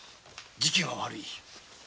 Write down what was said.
時期が悪い